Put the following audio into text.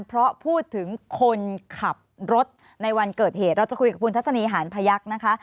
เพราะพูดถึงคนขับรถในวันเกิดเหตุเราจะคุยกับคุณทัศนีหานพยักษ์นะคะ